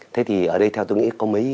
thế thì ở đây theo tôi nghĩ có mấy